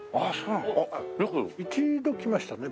一度来ましたね